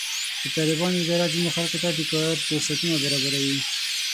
د طالبانو اداره ځینې خلکو ته د کار فرصتونه برابروي.